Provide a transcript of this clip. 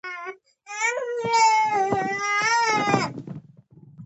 ساینسي ورځپاڼه کې خپاره شوي دي.